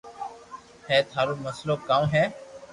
ھي ٿارو مسلئ ڪاو ھي